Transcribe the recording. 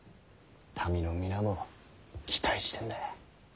民の皆も期待してんだい。